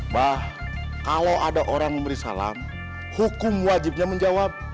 bahwa kalau ada orang memberi salam hukum wajibnya menjawab